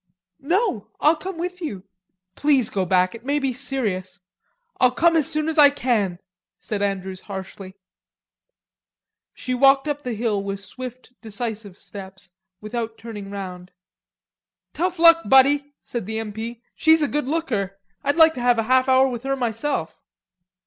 "No, I'll come with you." "Please go back. It may be serious. I'll come as soon as I can," said Andrews harshly. She walked up the hill with swift decisive steps, without turning round. "Tough luck, buddy," said the M. P. "She's a good looker. I'd like to have a half hour with her myself."